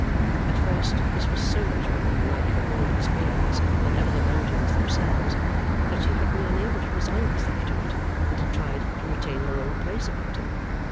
At first, this was so much more unlike her old experience than even the mountains themselves, that she had been unable to resign herself to it, and had tried to retain her old place about him.